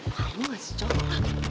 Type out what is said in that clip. mama kasih coklat